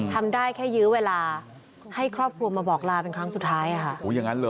ทำได้แค่ยื้อเวลาให้ครอบครัวมาบอกลาเป็นครั้งสุดท้ายค่ะ